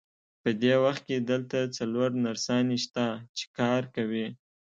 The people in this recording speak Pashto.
په دې وخت کې دلته څلور نرسانې شته، چې کار کوي.